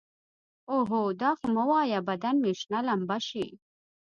اوهو دا خو مه وايه بدن مې شنه لمبه شي.